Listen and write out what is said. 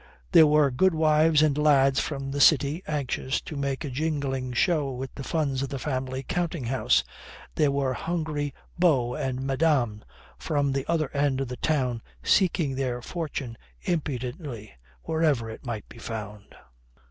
There were good wives and lads from the city anxious to make a jingling show with the funds of the family counting house, there were hungry beaux and madames from the other end of the town seeking their fortune impudently wherever it might be found.